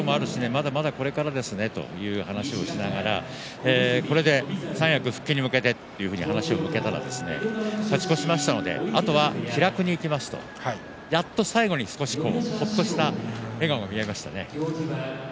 まだまだこれからですねという話をしながらこれで三役復帰に向けてと話を向けたら勝ち越しましたのであとは気楽にいきますとやっと最後に少しほっとした笑顔が見えましたね。